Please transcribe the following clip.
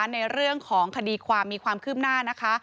ในเรื่องของคดีความมีความคืบหน้านะคะ